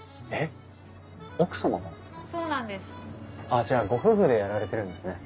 あっじゃあご夫婦でやられてるんですね。